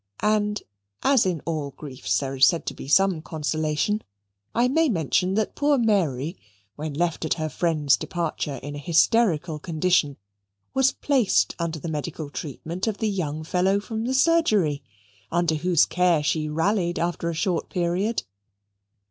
And, as in all griefs there is said to be some consolation, I may mention that poor Mary, when left at her friend's departure in a hysterical condition, was placed under the medical treatment of the young fellow from the surgery, under whose care she rallied after a short period.